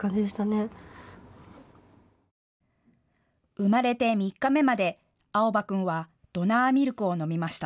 生まれて３日目まで蒼波君はドナーミルクを飲みました。